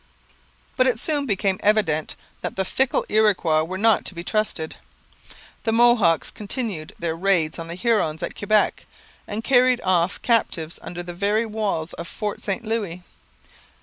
But it soon became evident that the fickle Iroquois were not to be trusted. The Mohawks continued their raids on the Hurons at Quebec and carried off captives from under the very walls of Fort St Louis.